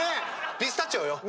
ピスタチオよ！ね！